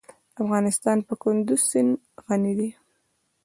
افغانستان په کندز سیند غني دی.